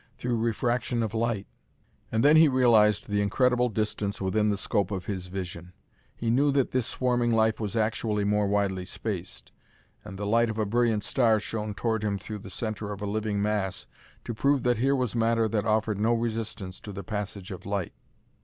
Through refraction of light?... And then he realized the incredible distance within the scope of his vision; he knew that this swarming life was actually more widely spaced; and the light of a brilliant star shone toward him through the center of a living mass to prove that here was matter that offered no resistance to the passage of light.